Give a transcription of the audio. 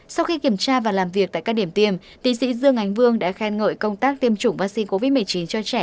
sau khi kiểm tra và làm việc tại các điểm tiêm ti sĩ dương ánh vương đã khen ngợi công tác tiêm chủng vaccine covid một mươi chín cho trẻ